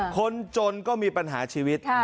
คนจนก็มีปัญหาชีวิต